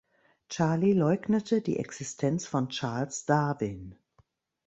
Charlie leugnete die Existenz von Charles Darwin.